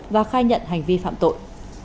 và khai nhận hành vi phạm tội